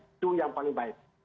itu yang paling baik